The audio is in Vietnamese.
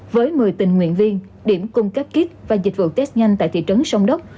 với một mươi tình nguyện viên điểm cung cấp kíp và dịch vụ test nhanh tại thị trấn sông đốc